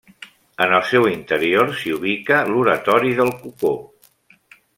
En el seu interior s'hi ubica l'oratori del Cocó.